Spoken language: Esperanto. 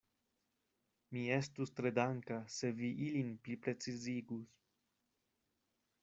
Mi estus tre danka, se vi ilin pliprecizigus.